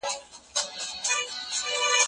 مهرباني وکړئ غږ ته پام وکړئ.